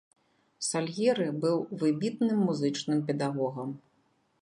Сальеры быў выбітным музычным педагогам.